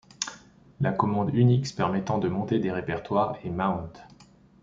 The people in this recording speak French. La commande Unix permettant de monter des répertoires est mount.